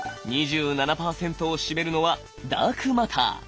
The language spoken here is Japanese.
２７％を占めるのはダークマター。